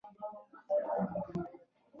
د دېوال ترڅنګ یې د لینن یو عکس ځوړند و